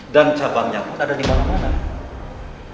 dan cabangnya pun ada dimana mana